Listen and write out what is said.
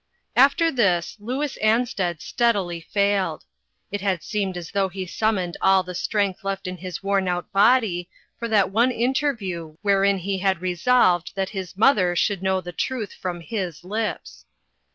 AFTER this Louis Ansted steadily failed. It had seemed as though he summoned all the strength left in his worn out body for that one interview wherein he had resolved that his mother should know the truth from his lips.